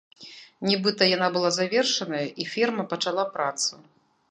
Нібыта, яна была завершаная і ферма пачала працу.